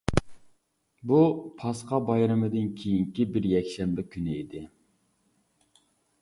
بۇ پاسخا بايرىمىدىن كېيىنكى بىر يەكشەنبە كۈنى ئىدى.